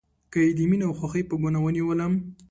که یې د میینې او خوښۍ په ګناه ونیولم